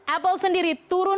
apple sendiri turun